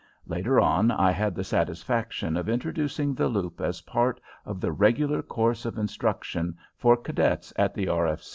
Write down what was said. Later on I had the satisfaction of introducing the loop as part of the regular course of instruction for cadets in the R.